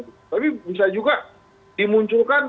tapi bisa juga dimunculkan